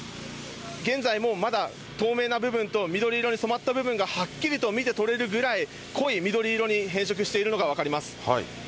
現在もまだ透明な部分と緑色に染まった部分がはっきりと見て取れるぐらい、濃い緑色に変色しているのが分かります。